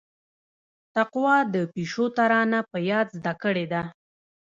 تقوا د پيشو ترانه په ياد زده کړيده.